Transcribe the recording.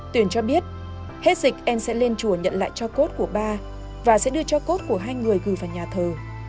tuyển cho biết hết dịch em sẽ lên chùa nhận lại cho cốt của ba và sẽ đưa cho cốt của hai người gửi vào nhà thờ